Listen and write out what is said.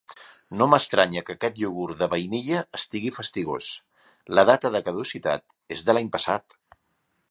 No m'estranya que aquest iogurt de vainilla estigui fastigós, la data de caducitat és de l'any passat.